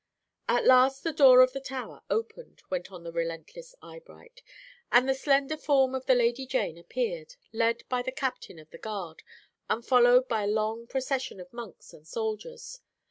"At last the door of the Tower opened," went on the relentless Eyebright, "and the slender form of the Lady Jane appeared, led by the captain of the guard, and followed by a long procession of monks and soldiers.